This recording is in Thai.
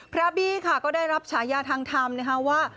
บี้ค่ะก็ได้รับฉายาทางธรรมนะคะว่า